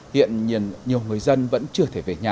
hiện nhiều người dân vẫn chưa thể về nhà